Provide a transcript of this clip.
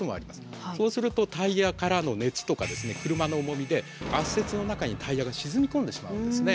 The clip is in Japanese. そうするとタイヤからの熱とか車の重みで圧雪の中にタイヤが沈み込んでしまうんですね。